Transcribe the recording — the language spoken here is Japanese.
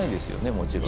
もちろん。